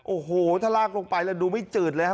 โอ้โหถ้าลากลงไปแล้วดูไม่จืดเลยครับ